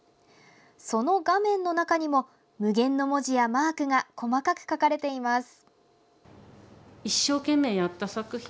その画面の中にも、無限の文字やマークが細かく描かれています。